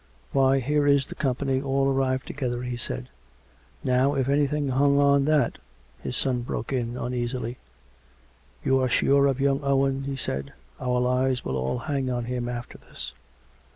" Why, here is the company all arrived together," he said. " Now, if anything hung on that " his son broke in, uneasily. " You are sure of young Owen ?" he said. " Our lives will all hang on him after this."